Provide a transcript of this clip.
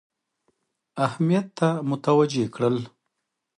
اهمیت ته متوجه کړل.